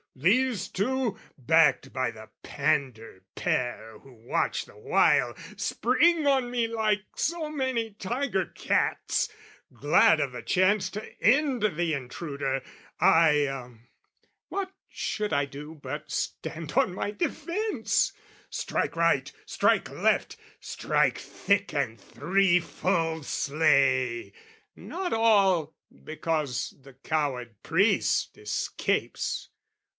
These two, "Backed by the pander pair who watch the while, "Spring on me like so many tiger cats, "Glad of the chance to end the intruder. I "What should I do but stand on my defence, "Strike right, strike left, strike thick and threefold, slay, "Not all because the coward priest escapes.